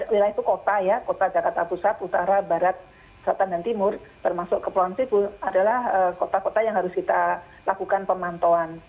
wilayah itu kota ya kota jakarta pusat utara barat selatan dan timur termasuk kepulauan seribu adalah kota kota yang harus kita lakukan pemantauan